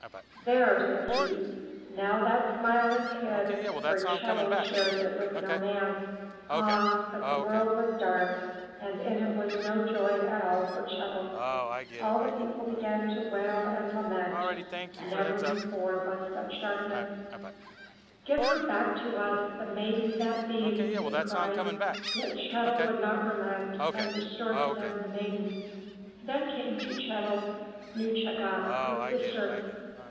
"There," said he, "now that smile is hid where Chet'l shares it with no man." Ah, but the world was dark, and in it was no joy at all for Chet'l. All the people began to wail and lament. Never before was such darkness. 221 M Y BOOK HOUSE "Give her back to us, the Maiden that beams!" they cried, yet Chetl would not relent and restore to them the maiden. Then came to Chet'l Nuschagak, his sister.